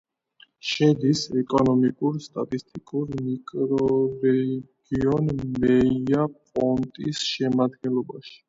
შედის ეკონომიკურ-სტატისტიკურ მიკრორეგიონ მეია-პონტის შემადგენლობაში.